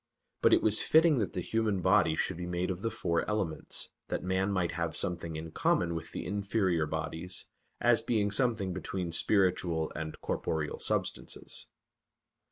But it was fitting that the human body should be made of the four elements, that man might have something in common with the inferior bodies, as being something between spiritual and corporeal substances.